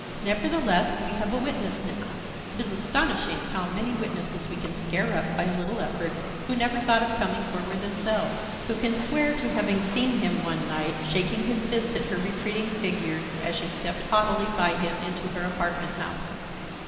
Nevertheless, we have a witness now—it is astonishing how many witnesses we can scare up by a little effort, who never thought of coming forward themselves—who can swear to having seen him one night shaking his fist at her retreating figure as she stepped haughtily by him into her apartment house.